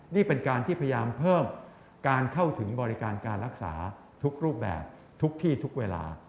นี่เป็นการที่พยายามเพิ่มการเข้าถึงบริการการรักษาทุกรูปแบบทุกที่ทุกเวลา